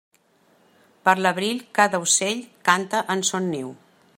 Per l'abril cada ocell canta en son niu.